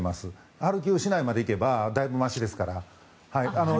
ハルキウ市に行けばだいぶましですから。